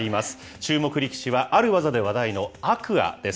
注目力士は、ある技で話題の天空海です。